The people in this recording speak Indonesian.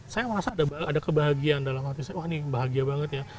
saya merasa ada kebahagiaan dalam hati saya wah ini bahagia banget ya